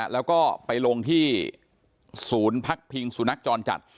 แล้วก็ไปลงที่ศูนย์ภักดิ์พิงศูนย์นักจรจัด